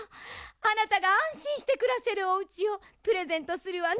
あなたがあんしんしてくらせるおうちをプレゼントするわね。